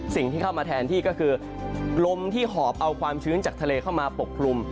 สิ่งที่เข้ามาแทนที่ก็คือลมที่หอบเอาความชื้นจากทะเลเข้ามาปกคลุม